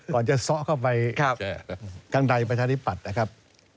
ก่อนจะซ้อเข้าไปกลางใดปัชธิบัติครับ